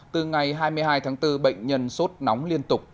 từ ngày hai mươi hai tháng bốn bệnh nhân sốt nóng liên tục